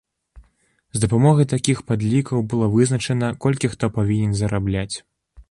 З дапамогай такіх падлікаў было вызначана, колькі хто павінен зарабляць.